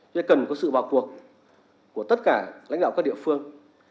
cho nên cần có sự vào cuộc của tất cả lãnh đạo các địa phương